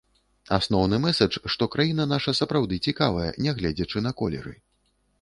Асноўны мэсэдж, што краіна наша сапраўды цікавая, нягледзячы на колеры.